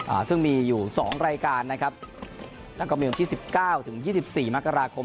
อ่าซึ่งมีอยู่สองรายการนะครับแล้วก็มีวันที่สิบเก้าถึงยี่สิบสี่มกราคม